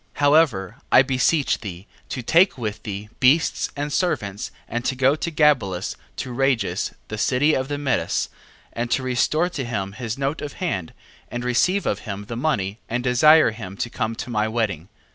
9:3. However, I beseech thee, to take with thee beasts and servants, and to go to Gabelus to Rages the city of the Medes: and to restore to him his note of hand, and receive of him the money, and desire him to come to my wedding.